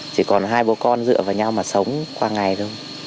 chỉ còn hai bố con dựa vào nhau mà sống qua ngày thôi